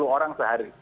dua puluh orang sehari